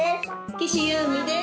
岸有美です。